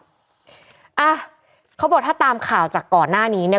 เอ้าเขาบอกถ้าตามข่าวจากก่อนหน้านี้